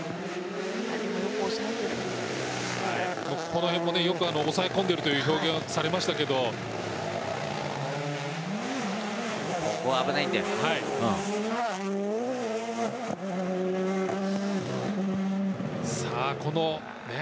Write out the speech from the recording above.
この辺もよく抑え込んでいるという表現をされましたけどここは危ないんだよね。